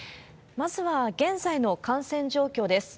まずは現在の感染状況です。